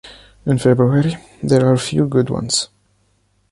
In February, there are few good ones.